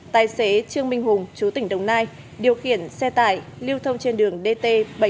tài xế trương minh hùng chú tỉnh đồng nai điều khiển xe tải lưu thông trên đường dt bảy trăm bốn mươi